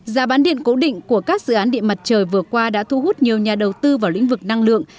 giá bán điện cố định của các dự án điện mặt trời vừa qua đã thu hút nhiều nhà đầu tư vào lĩnh vực năng lượng